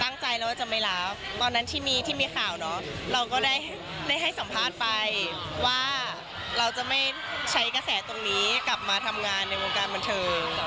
ตั้งใจแล้วว่าจะไม่รับตอนนั้นที่มีที่มีข่าวเนาะเราก็ได้ให้สัมภาษณ์ไปว่าเราจะไม่ใช้กระแสตรงนี้กลับมาทำงานในวงการบันเทิง